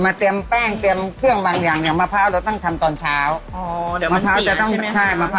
ไส้ไก่ไส้เผือกถั่วหวานถั่วเค็มมะพร้าวสับปะรดมันม่วงขอยทองใส่ไข่เค็มค่ะ